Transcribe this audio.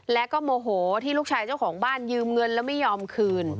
และก็โมโหที่ลูกชายเจ้าของบ้านยืมเงินแล้วไม่ยอมคืน